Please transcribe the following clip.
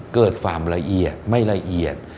เกิดความละเอียดไม่ละเอียด